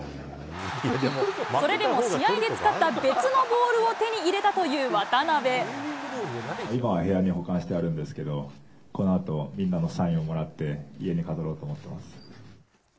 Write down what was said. それでも試合で使った別のボ今は部屋に保管してあるんですけど、このあと、みんなのサインをもらって、家に飾ろうと思ってます。